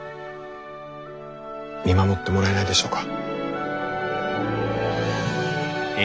見守ってもらえないでしょうか？